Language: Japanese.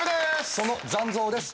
その残像です